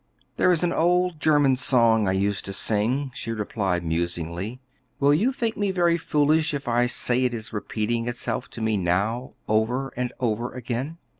"There is an old German song I used to sing," she replied musingly; "will you think me very foolish if I say it is repeating itself to me now, over and over again?"